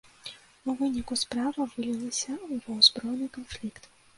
У выніку справа вылілася ва ўзброены канфлікт.